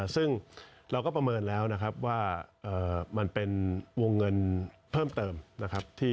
ซึ่งเราก็ประเมินแล้วนะครับว่ามันเป็นวงเงินเพิ่มเติมนะครับ